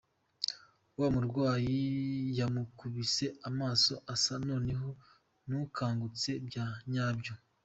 Wa murwayi yamukubise amaso asa noneho n’ukangutse bya nyabyo.